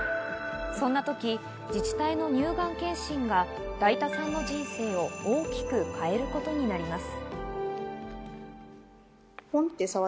そんなとき自治体の乳がん検診が、だいたさんの人生を大きく変えることになります。